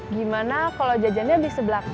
gimana kalo jajannya di sebelak